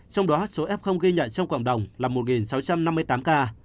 trong đó số f ghi nhận trong cộng đồng là một sáu trăm năm mươi tám ca